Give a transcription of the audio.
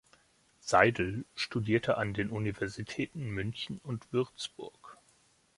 Seydel studierte an den Universitäten München und Würzburg.